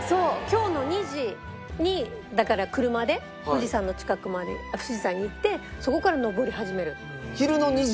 今日の２時にだから車で富士山の近くまで富士山に行ってそこから登り始める。